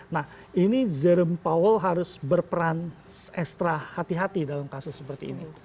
nah ini jerome powell harus berperan ekstra hati hati dalam kasus seperti ini